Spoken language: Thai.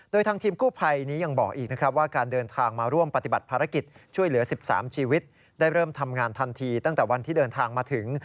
โดยทางทีมกู้ภัยนี้ยังบอกอีกนะครับว่าการเดินทางมาร่วมปฏิบัติภารกิจช่วยเหลือ๑๓ชีวิตได้เริ่มทำงานทันทีตั้งแต่วันที่เดินทางมาถึง